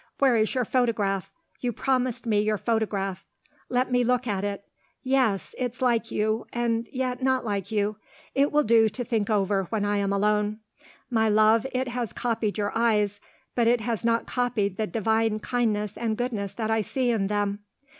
Where is your photograph? You promised me your photograph. Let me look at it. Yes! it's like you, and yet not like you. It will do to think over, when I am alone. My love, it has copied your eyes, but it has not copied the divine kindness and goodness that I see in them!"